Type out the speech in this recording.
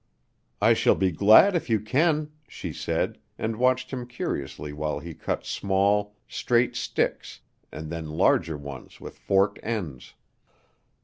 "I shall be glad if you can," she said, and watched him curiously while he cut small, straight sticks, and then larger ones with forked ends.